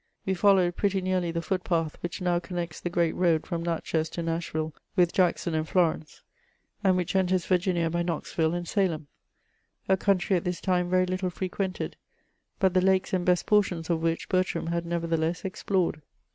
We followed pretty nearly the foot path which now connects the great rdad from Natchez to Nashville with Jackson and Florence, and which enters Virginia by Knoxville and Salem — a country at this time very little frequented, but the lakes and best portions of which Bertram had nevertheless explored.